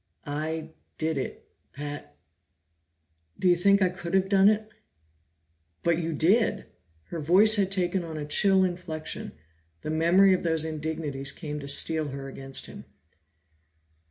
"I did it, Pat? Do you think I could have done it?" "But you did!" Her voice had taken on a chill inflection; the memory of those indignities came to steel her against him.